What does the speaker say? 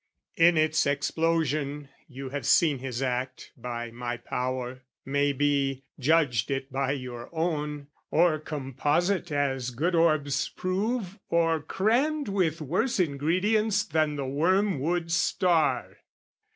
In its explosion, you have seen his act, By my power may be, judged it by your own, Or composite as good orbs prove, or crammed With worse ingredients than the Wormwood Star.